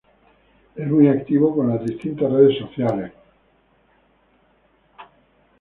Es muy activo en las distintas redes sociales como: Twitter, Facebook, Linkedin,….